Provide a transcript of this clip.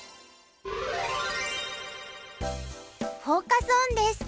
フォーカス・オンです。